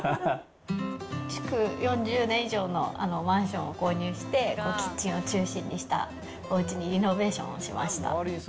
築４０年以上のマンションを購入して、キッチンを中心にしたおうちにリノベーションをしました。